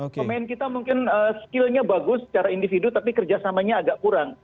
pemain kita mungkin skillnya bagus secara individu tapi kerjasamanya agak kurang